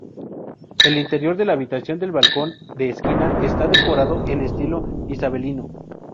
El interior de la habitación del balcón de esquina está decorado en estilo isabelino.